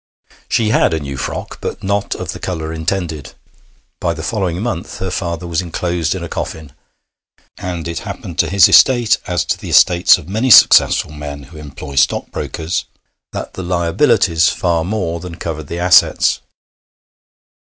She had a new frock, but not of the colour intended. By the following month her father was enclosed in a coffin, and it happened to his estate, as to the estates of many successful men who employ stockbrokers, that the liabilities far more than covered the assets.